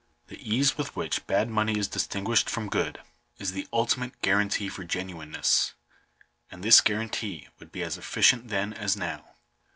The ease with which bad money is distinguished from good, is the ultimate guarantee for genuineness ; and this guarantee would be as efficient then as now.